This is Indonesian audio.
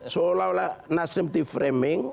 seolah olah nasdemi deframing